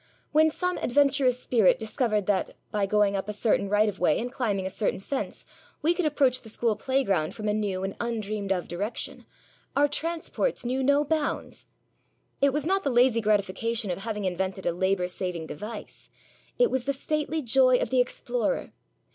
When some adventurous spirit discovered that, by going up a certain right of way, and climbing a certain fence, we could approach the school playground from a new and undreamed of direction, our transports knew no bounds. It was not the lazy gratification of having invented a labour saving device; it was the stately joy of the explorer.